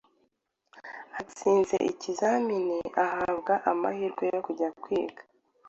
atsinze ikizami ahabwa amahirwe yo kujya kwiga